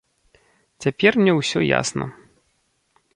Цяпер мне ўсё ясна.